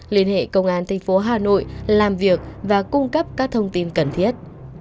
liên hệ công an tp hà nội làm việc và cung cấp các thông tin cần thiết